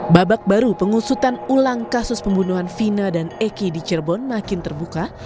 babak baru pengusutan ulang kasus pembunuhan vina dan eki di cirebon makin terbuka